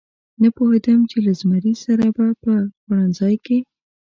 نه پوهېدم چې له زمري سره به په خوړنځای کې.